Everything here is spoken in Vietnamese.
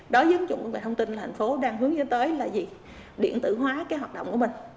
đó giống như thông tin là hành phố đang hướng dẫn tới điện tử hóa hoạt động của mình